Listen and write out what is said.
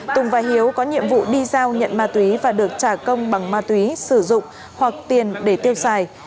tùng và hiếu có nhiệm vụ đi giao nhận ma túy và được trả công bằng ma túy sử dụng hoặc tiền để tiêu xài